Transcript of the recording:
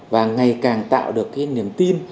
và ngày càng tạo được niềm tin